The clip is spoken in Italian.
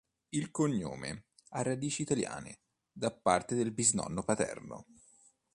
Il cognome ha radici italiane, da parte del bisnonno paterno.